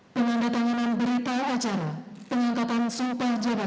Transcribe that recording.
penandatanganan berita acara penyenggatan sumpah jabatan